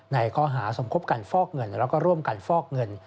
ในข้อหาสมคบกันฟอกเงินแล้วก็ร่วมกันฟอกเงิน